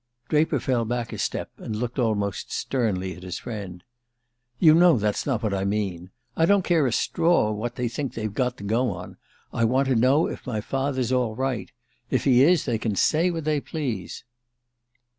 Draper fell back a step and looked almost sternly at his friend. "You know that's not what I mean. I don't care a straw what they think they've got to go on. I want to know if my father's all right. If he is, they can say what they please."